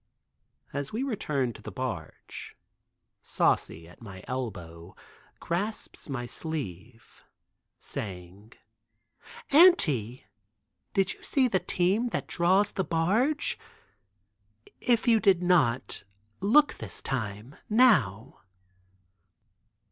As we return to the barge Saucy at my elbow grasps my sleeve, saying, "Auntie, did you see the team that draws the barge? If you did not, look this time, now."